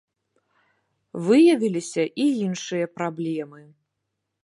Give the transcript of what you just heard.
Выявіліся і іншыя праблемы.